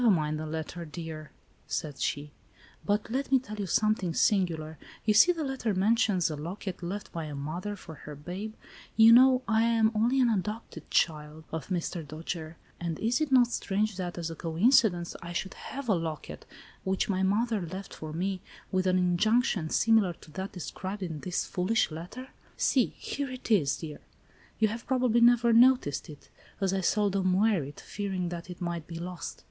"Never mind the letter, dear," said she, "but let me tell you something singular. You see the letter mentions a locket left by a mother for her babe. You know I am only an adopted child 104 ALICE ; OR, THE WAGES OF SIN. of Mr. Dojere; and is it not strange that, as a coincidence I should have a locket, which my mother left for me, with an injunction, similar to that described in this foolish letter ? See, here it is, dear. You have probably never noticed it, as I seldom wear it, fearing that it might be lost."